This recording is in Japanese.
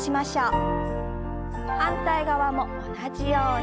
反対側も同じように。